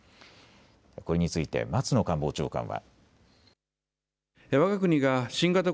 これについて松野官房長官は。